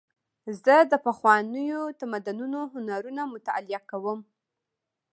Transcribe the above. زه د پخوانیو تمدنونو هنرونه مطالعه کوم.